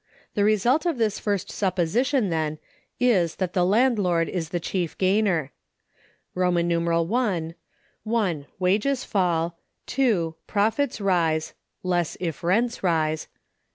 The result of this first supposition, then, is, that the landlord is the chief gainer: I. (1.) Wages fall. (2.) Profits rise (less if rents rise).